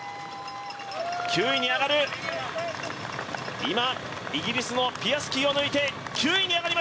９位に上がる、今イギリスのピアスキーを抜いて９位に上がる。